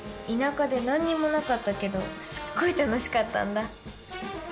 田舎で何にもなかったけどすっごい楽しかったんだ！